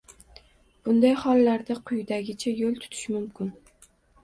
Bunday hollarda quyidagicha yo‘l tutish mumkin: